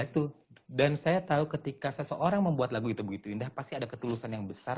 itu dan saya tahu ketika seseorang membuat lagu itu begitu indah pasti ada ketulusan yang besar